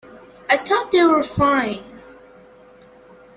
I thought they were fine.